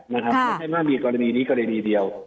ไม่ใช่ว่ามีกรณีนี้กรณีเดียว